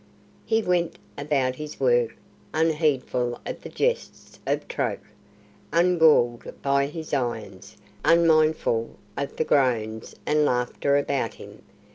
He went about his work, unheedful of the jests of Troke, ungalled by his irons, unmindful of the groans and laughter about him.